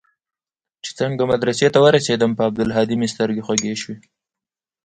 چې څنگه مدرسې ته ورسېدم پر عبدالهادي مې سترګې خوږې سوې.